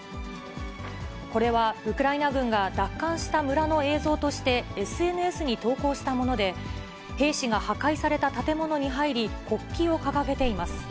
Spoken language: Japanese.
これはウクライナ軍が奪還した村の映像として、ＳＮＳに投稿したもので、兵士が破壊された建物に入り、国旗を掲げています。